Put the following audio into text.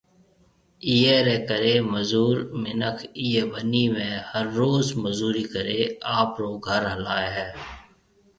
ايئيَ رَي ڪرَي مزور مِنک ايئيَ ٻنِي ۾ ھر روز مزوري ڪرَي آپرو گھر ھلائيَ ھيََََ